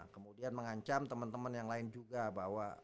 kemudian mengancam teman teman yang lain juga bahwa